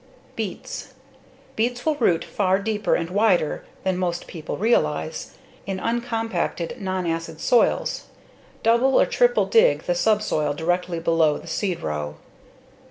Beets Beets will root far deeper and wider than most people realize in uncompacted, nonacid soils. Double or triple dig the subsoil directly below the seed row.